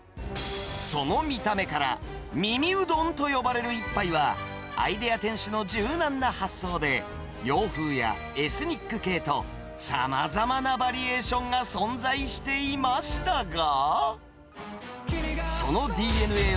その見た目から、耳うどんと呼ばれる一杯は、アイデア店主の柔軟な発想で、洋風やエスニック系と、さまざまなバリエーションが存在していましたが。